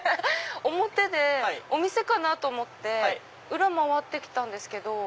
表でお店かなと思って裏回って来たんですけど。